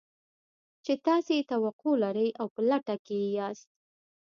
چې تاسې يې توقع لرئ او په لټه کې يې ياست.